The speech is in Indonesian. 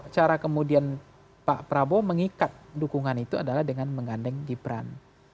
cara kemudian pak prabowo mengikat dukungan itu adalah dengan menggandeng gibran